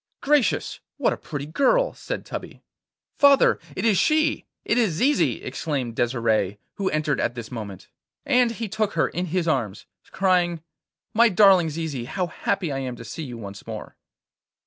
'Gracious! what a pretty girl!' said Tubby. 'Father! it is she! it is Zizi!' exclaimed Desire, who entered at this moment. And he took her in his arms, crying: 'My darling Zizi, how happy I am to see you once more!